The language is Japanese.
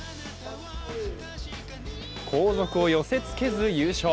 後続を寄せつけず優勝。